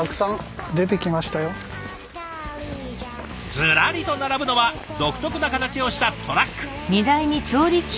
ずらりと並ぶのは独特な形をしたトラック。